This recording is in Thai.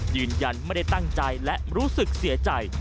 ยืนยันไม่ได้ตั้งใจและรู้สึกเสียใจ